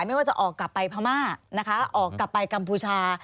ไม่ว่าจะออกกลับไปพม่านะคะออกกลับไปกัมพูชา